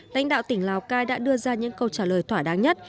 lãnh đạo tỉnh lào cai đã đưa ra những câu trả lời thỏa đáng nhất